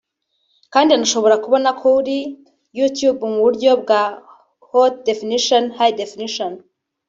kandi anashobora kubona kuri YoyTube mu buryo bwa haute définition/high definition